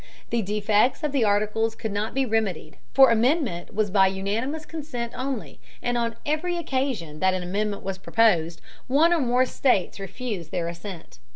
The defects of the Articles could not be remedied, for amendment was by unanimous consent only, and on every occasion that an amendment was proposed, one or more states refused their assent.